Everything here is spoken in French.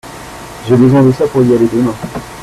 J'ai besoin de ça pour y aller demain.